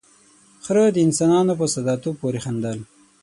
، خره د انسانانو په ساده توب پورې خندل.